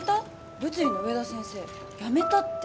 物理の植田先生辞めたって